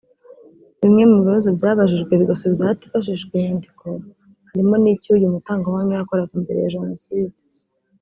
Bimwe mu bibazo byabajijwe bigasubizwa hatifashishijwe inyandiko harimo icyo uyu mutangabuhamya yakoraga mbere ya Jenoside